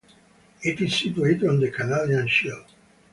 It is situated on the Canadian Shield.